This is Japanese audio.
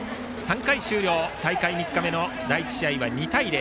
３回終了、大会３日目の第１試合は２対０。